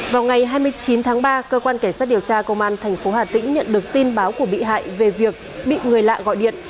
vào ngày hai mươi chín tháng ba cơ quan cảnh sát điều tra công an tp hà tĩnh nhận được tin báo của bị hại về việc bị người lạ gọi điện